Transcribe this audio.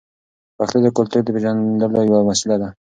پښتو د کلتور د پیژندلو یوه وسیله ده.